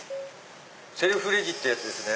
セルフレジってやつですね。